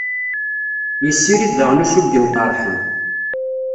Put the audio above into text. Yessirid daɣen ussu n yimṭarḥen.